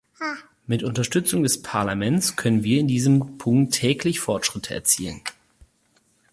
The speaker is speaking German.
Mit Unterstützung des Parlaments können wir in diesem Punkt täglich Fortschritte erzielen.